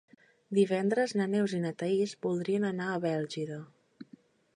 Divendres na Neus i na Thaís voldrien anar a Bèlgida.